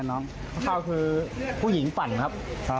ข้าวคือผู้หญิงปั่นครับ